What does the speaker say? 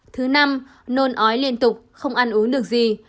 thứ năm nôn ói liên tục không ăn uống được gì